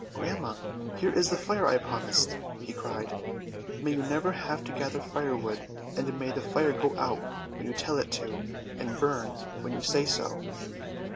"Grandma, here is the Fire I promised," he cried. "May you never have to gather fire wood; and may the Fire go out when you tell it to, and burn when you say so."